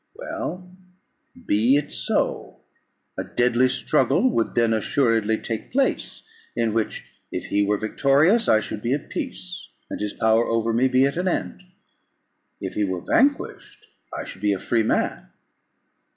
Well, be it so; a deadly struggle would then assuredly take place, in which if he were victorious I should be at peace, and his power over me be at an end. If he were vanquished, I should be a free man.